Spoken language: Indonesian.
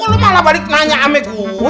oh lo malah balik nanya ame gue